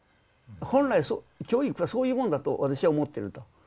本来教育はそういうものだと私は思ってると。